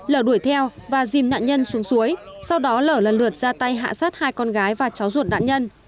lở đuổi theo và dìm nạn nhân xuống suối sau đó lở lần lượt ra tay hạ sát hai con gái và cháu ruột nạn nhân